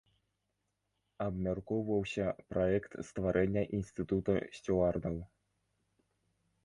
Абмяркоўваўся праект стварэння інстытута сцюардаў.